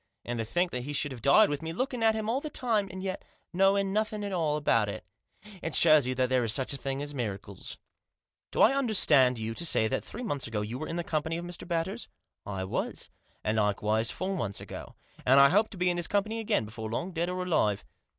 And to think that he should have died with me looking at him all the time, and yet knowing nothing at all about Digitized by 204 THE JOSS. it It shows you that there is such things as miracles." "Do I understand you to say that three months ago you were in the company of Mr. Batters ?"" I was. And likewise four months ago. And I hope to be in his company again before long, dead or alive.